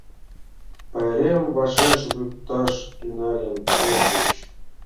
Пайрем вашеш лукташ тӱҥальым пӧрт гыч